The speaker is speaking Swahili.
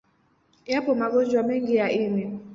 Yapo magonjwa mengi ya ini.